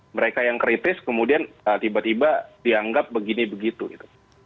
mereka yang kritis kemudian tiba tiba dianggap begini begitu itu